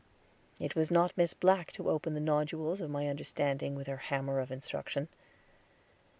It was not for Miss Black to open the nodules of my understanding, with her hammer of instruction.